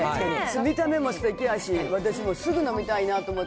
見た目もすてきやし、私もすぐ飲みたいなと。